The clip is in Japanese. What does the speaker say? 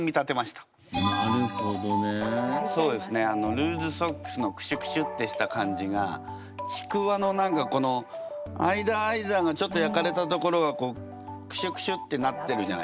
ルーズソックスのクシュクシュってした感じがちくわの何かこの間間のちょっと焼かれたところがクシュクシュってなってるじゃないですか。